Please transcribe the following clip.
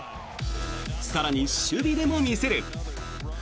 更に、守備でも見せる。